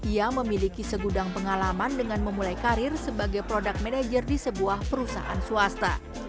ia memiliki segudang pengalaman dengan memulai karir sebagai product manager di sebuah perusahaan swasta